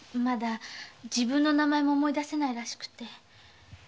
まだ自分の名前も思い出せないらしくって。